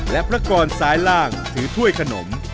และพระกรซ้ายล่างถือถ้วยขนม